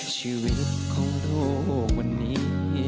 ชีวิตของลูกวันนี้